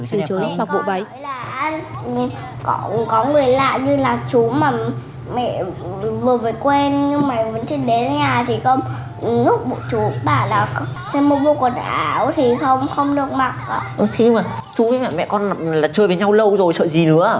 từ chối mặc bộ váy